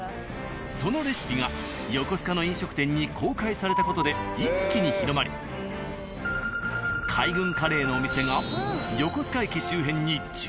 そのレシピが横須賀の飲食店に公開された事で一気に広まり海軍カレーのお店が横須賀駅周辺に１８以上も。